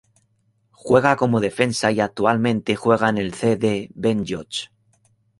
Juega como defensa y actualmente juega en el C. D. Benlloch.